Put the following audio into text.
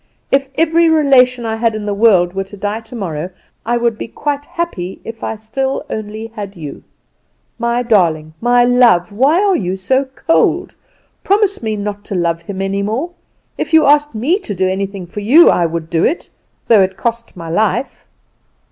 If every relation I had in the world were to die tomorrow, I would be quite happy if I still only had you! My darling, my love, why are you so cold? Promise me not to love him any more. If you asked me to do anything for you, I would do it, though it cost my life."